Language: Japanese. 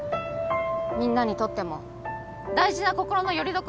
みんなにとっても大事な心のよりどころなんだ。